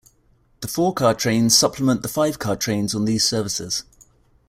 The four-car trains supplement the five-car trains on these services.